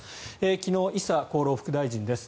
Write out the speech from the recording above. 昨日、伊佐厚労副大臣です。